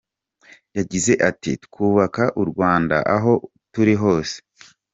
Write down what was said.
Yagize ati "Twubaka u Rwanda aho turi hose.